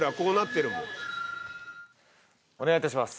お願いいたします